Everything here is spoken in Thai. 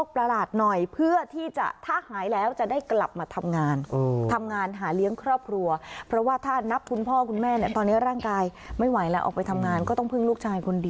พ่อคุณแม่ตอนนี้ร่างกายไม่ไหวแล้วออกไปทำงานก็ต้องพึ่งลูกชายคนดี